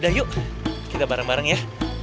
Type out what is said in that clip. dah yuk kita bareng bareng ya